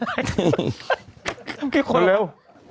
หนูเร็ว